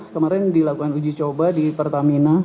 kemarin dilakukan uji coba di pertamina